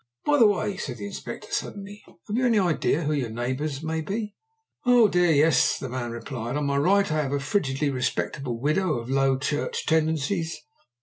"By the way," said the Inspector suddenly, "have you any idea who your neighbours may be?" "Oh, dear, yes!" the man replied. "On my right I have a frigidly respectable widow of Low Church tendencies.